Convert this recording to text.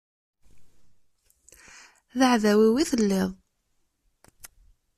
D aɛdaw-iw i telliḍ.